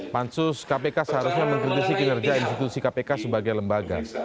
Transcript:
pansus kpk seharusnya mengkritisi kinerja institusi kpk sebagai lembaga